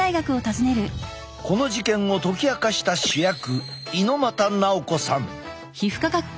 この事件を解き明かした主役猪又直子さん。